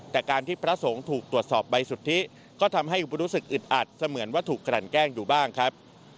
แต่การที่พระสงฆ์ถูกตรวจสอบใบสุทธิก็ทำให้รู้สึกอึดอัดเสมือนว่าถูกกลั่นแกล้งอยู่บ้างครับ